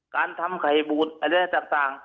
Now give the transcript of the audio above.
การทำไข่บูดอะไรต่าง